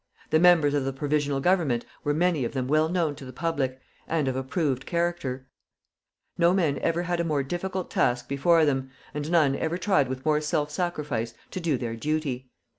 The members of the Provisional Government were many of them well known to the public, and of approved character. No men ever had a more difficult task before them, and none ever tried with more self sacrifice to do their duty.